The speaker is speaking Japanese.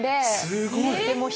すごい！